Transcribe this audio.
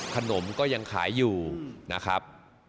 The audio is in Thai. ก็ยังขายอยู่นะครับ